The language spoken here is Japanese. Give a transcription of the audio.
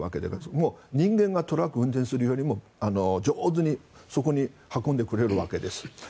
もう人間がトラックを運転するよりも上手にそこに運んでくれるわけです。